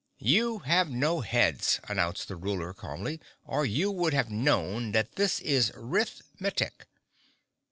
"You have no heads," announced the Ruler calmly, "or you would have known that this is Rith Metic.